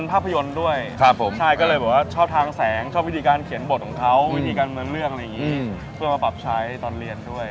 เพื่อมาปรับใช้ตอนเรียนด้วย